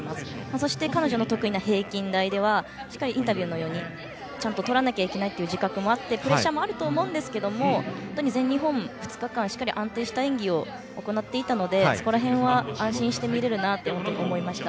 そして彼女の得意な平均台ではインタビューのようにちゃんととらなきゃいけないという自覚もあってプレッシャーもあると思うんですけれども全日本、２日間しっかり安定した演技を行っていたのでそこら辺は安心して見れるなと思いました。